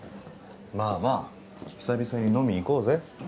まあまあ久々に飲み行こうぜ。